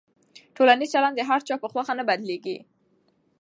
ټولنیز چلند د هر چا په خوښه نه بدلېږي.